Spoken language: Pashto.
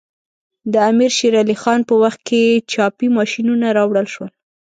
د امیر شیر علی خان په وخت کې چاپي ماشینونه راوړل شول.